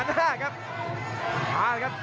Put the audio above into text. ต้องการสวัสดีค่ะ